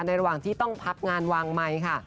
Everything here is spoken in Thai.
ระหว่างที่ต้องพักงานวางไมค์ค่ะ